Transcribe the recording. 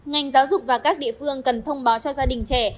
ngành giáo dục và các địa phương cần thông báo cho gia đình trẻ